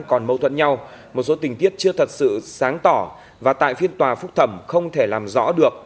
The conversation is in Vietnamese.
còn mâu thuẫn nhau một số tình tiết chưa thật sự sáng tỏ và tại phiên tòa phúc thẩm không thể làm rõ được